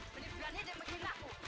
menyibukannya dia menghina aku